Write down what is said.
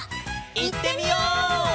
いってみよう！